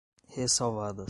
ressalvadas